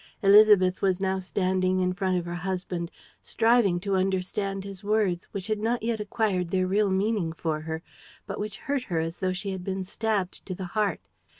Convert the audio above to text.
Élisabeth was now standing in front of her husband, striving to understand his words, which had not yet acquired their real meaning for her, but which hurt her as though she had been stabbed to the heart.